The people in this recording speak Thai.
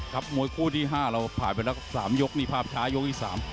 มวยคู่ที่๕เราผ่านไปแล้ว๓ยกนี่ภาพช้ายกที่๓